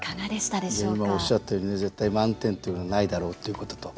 今おっしゃったように「絶対満点というのはないだろう」っていうことと。